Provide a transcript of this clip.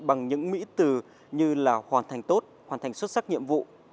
bằng những mỹ từ như là hoàn thành tốt hoàn thành xuất sắc nhiệm vụ